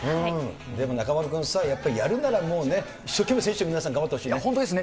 でも中丸君さ、やっぱり、やるならもうね、一生懸命選手の皆さんに頑張ってほしいですね。